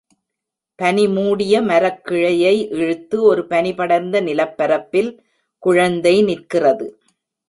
பனி மூடிய மரக் கிளையை இழுத்து ஒரு பனிபடர்ந்த நிலப்பரப்பில் குழந்தை நிற்கிறது.